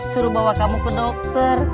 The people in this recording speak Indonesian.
suruh bawa kamu ke dokter